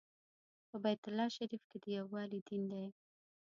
په بیت الله شریف کې د یووالي دین دی.